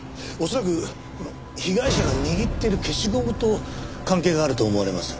恐らく被害者が握っている消しゴムと関係があると思われます。